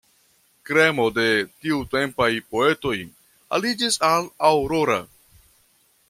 Kremo de tiutempaj poetoj aliĝis al Aurora.